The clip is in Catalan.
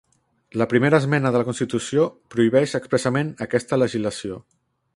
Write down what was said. La primera esmena de la Constitució prohibeix expressament aquesta legislació.